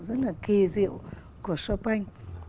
rất là kỳ diệu của chopin